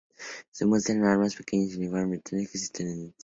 Se muestran armas pequeñas y uniformes británicos y estadounidenses.